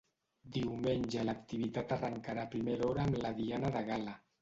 Diumenge l’activitat arrancarà a primera hora amb la diana de gala.